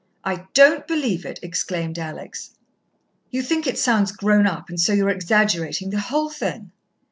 "I don't believe it!" exclaimed Alex. "You think it sounds grown up, and so you're exaggerating the whole thing."